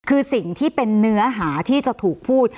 คือสิ่งที่เป็นเนื้อหาที่จะถูกพูด